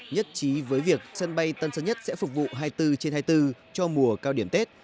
nhất trí với việc sân bay tân sơn nhất sẽ phục vụ hai mươi bốn trên hai mươi bốn cho mùa cao điểm tết